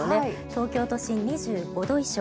東京都心、２５度以上。